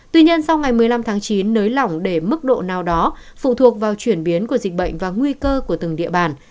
tuy nhiên sau ngày một mươi năm tháng chín nới lỏng để mức độ nào đó phụ thuộc vào chuyển biến của dịch bệnh và nguy cơ của từng địa bàn